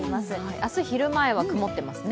明日昼前は曇ってますね。